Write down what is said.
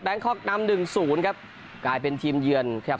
คอกนำหนึ่งศูนย์ครับกลายเป็นทีมเยือนครับ